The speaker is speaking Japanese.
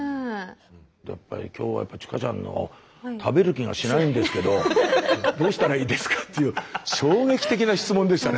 やっぱり今日は千佳ちゃんの「食べる気がしないんですけどどうしたらいいですか？」っていう衝撃的な質問でしたね。